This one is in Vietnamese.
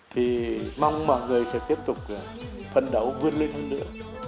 thì mong mọi người sẽ tiếp tục phân đấu vươn lên nữa